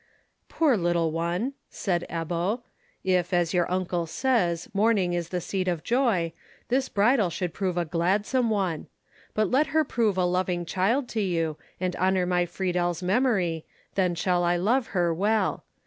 "Poor little one!" said Ebbo. "If, as your uncle says, mourning is the seed of joy, this bridal should prove a gladsome one! But let her prove a loving child to you, and honour my Friedel's memory, then shall I love her well.